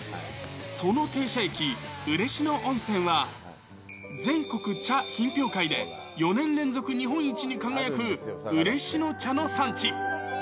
その停車駅、嬉野温泉は、全国茶品評会で４年連続日本一に輝く、うれしの茶の産地。